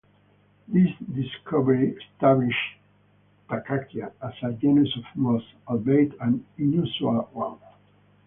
This discovery established "Takakia" as a genus of moss, albeit an unusual one.